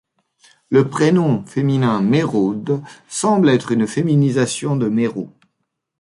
Le prénom féminin Méraude semble être une féminisation de Méraud.